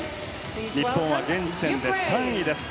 日本は現時点で３位です。